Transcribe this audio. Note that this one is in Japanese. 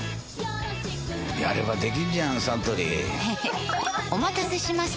やればできんじゃんサントリーへへっお待たせしました！